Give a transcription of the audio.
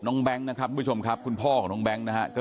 น้องแบงค์นะครับคุณชมครับคุณพ่อของน้องแบงค์นะฮะก็